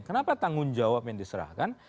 kenapa tanggung jawab yang diserahkan